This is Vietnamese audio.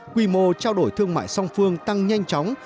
quy mô trao đổi thương mại song phương tăng nhanh chóng